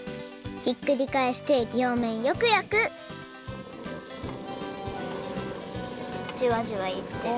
ひっくりかえしてりょうめんよくやくジュワジュワいってる。